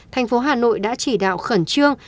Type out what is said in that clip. thành phố hà nội đã chỉ đạo khẩn trương